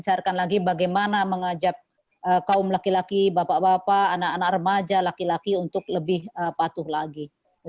saya bicarakan lagi bagaimana mengajak kaum laki laki bapak bapak anak anak remaja laki laki untuk lebih patuh lagi